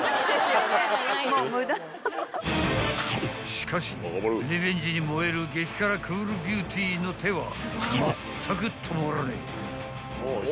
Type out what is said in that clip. ［しかしリベンジに燃える激辛クールビューティーの手はまったく止まらねえ］